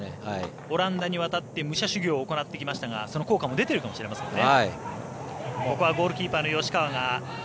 オランダに渡って武者修行を行ってきましたがその効果も出ているかもしれませんね。